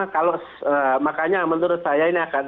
kalau makanya menurut saya ini akan menjadi konflik